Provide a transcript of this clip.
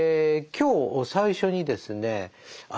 今日最初にですねあ